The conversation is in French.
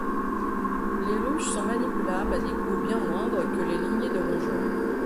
Les ruches sont manipulables à des coûts bien moindres que les lignées de rongeurs.